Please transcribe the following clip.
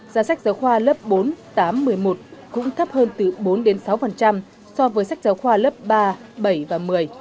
giá sách giáo khoa lớp bốn tám một mươi một cũng thấp hơn từ bốn đến sáu so với sách giáo khoa lớp ba bảy và một mươi